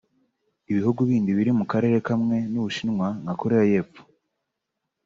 Ibihugu bindi biri mu Karere kamwe n’u Bushinwa nka Koreya y’Epfo